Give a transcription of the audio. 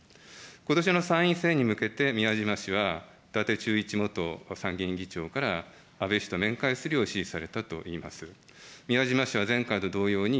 ことしの参院選に向けて、宮島氏は、伊達忠一元参議院議長から、安倍氏と面会するよう指示されたといいます。